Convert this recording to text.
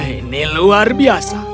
ini luar biasa